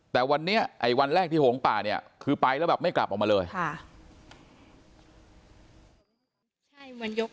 แต่วันนี้ไอ้วันแรกที่หงป่าเนี่ยคือไปแล้วแบบไม่กลับออกมาเลยค่ะ